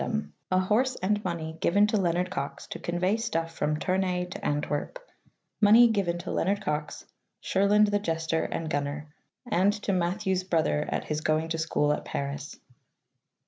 THE ARTE OR CRAFTE OF RHETHORYKE 9 " Mem. A horse and money given to Leonard Cokks to convey stuff from Tournay to Antwerp .... Money given to Leonard Cox, Shurland the jester and gunner, and to Matthew's brother at his going to school at Paris."